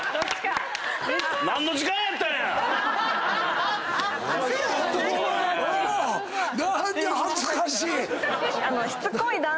何や恥ずかしい。